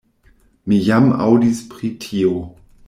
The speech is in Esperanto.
Mi jam aŭdis pri tio.